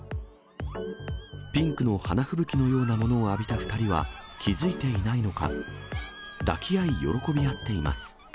ピンクの花吹雪のようなものを浴びた２人は、気付いていないのか、抱き合い、喜び合っています。